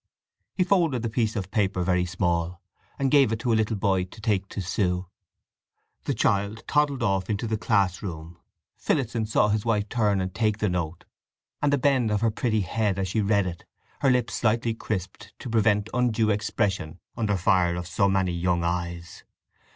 He folded the piece of paper very small, and gave it to a little boy to take to Sue. The child toddled off into the class room. Phillotson saw his wife turn and take the note, and the bend of her pretty head as she read it, her lips slightly crisped, to prevent undue expression under fire of so many young eyes.